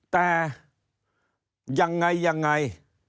แต่อย่างไรอย่างไร